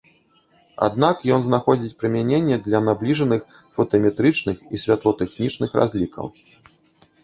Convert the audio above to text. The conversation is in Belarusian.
Аднак ён знаходзіць прымяненне і для набліжаных фотаметрычных і святлотэхнічных разлікаў.